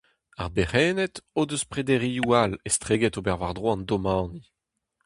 Ar berc'henned o deus prederioù all estreget ober war-dro an domani.